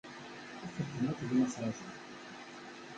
Ufi?-ten akk din i ttrajun.